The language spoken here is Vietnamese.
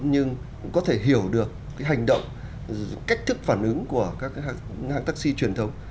nhưng cũng có thể hiểu được cái hành động cách thức phản ứng của các cái hãng taxi truyền thống